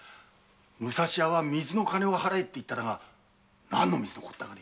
武蔵屋は水代を払えって言ったが何の水のことだかね？